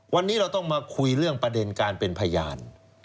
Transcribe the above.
วันนี้เราต้องมาคุยเรื่องประเด็นการเป็นพยาน